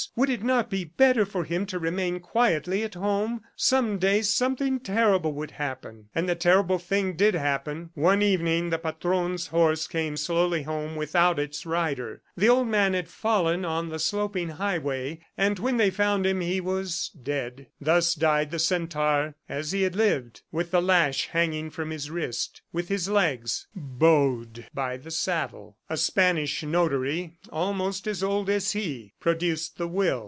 Would it not be better for him to remain quietly at home. ..." Some day something terrible would happen. ... And the terrible thing did happen. One evening the Patron's horse came slowly home without its rider. The old man had fallen on the sloping highway, and when they found him, he was dead. Thus died the centaur as he had lived, with the lash hanging from his wrist, with his legs bowed by the saddle. A Spanish notary, almost as old as he, produced the will.